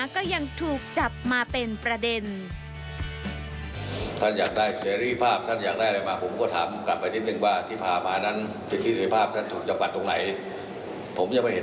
ก็ยังถูกจับมาเป็นประเด็น